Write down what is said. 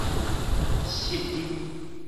失日